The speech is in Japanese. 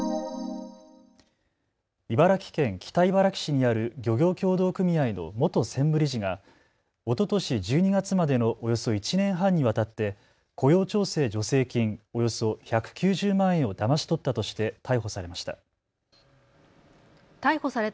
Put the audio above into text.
茨城県北茨城市にある漁業協同組合の元専務理事がおととし１２月までのおよそ１年半にわたって雇用調整助成金、およそ１９０万円をだまし取ったとして逮捕されました。